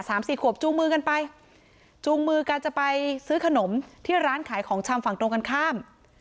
สามสี่ขวบจูงมือกันไปจูงมือกันจะไปซื้อขนมที่ร้านขายของชำฝั่งตรงกันข้าม